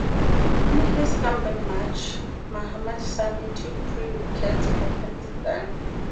In his comeback match, Mohammad Sami took three wickets for Pakistan.